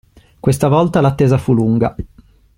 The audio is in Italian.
Questa volta l'attesa fu lunga.